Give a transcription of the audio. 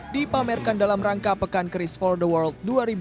dipamerkan dalam rangka pekan keris for the world dua ribu dua puluh